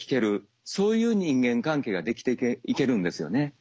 そういう人間関係ができていけるんですよね。